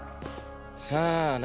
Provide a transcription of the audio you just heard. さあな。